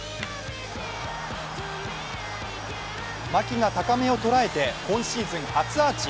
牧が高めを捉えて今シーズン初アーチ。